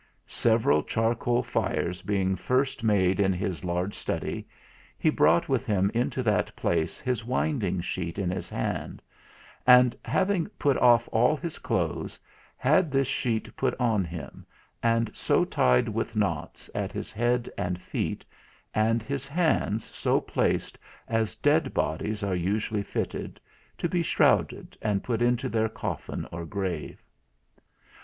Several charcoal fires being first made in his large study, he brought with him into that place his winding sheet in his hand, and having put off all his clothes, had this sheet put on him, and so tied with knots at his head and feet, and his hands so placed as dead bodies are usually fitted, to be shrouded and put into their coffin, or grave.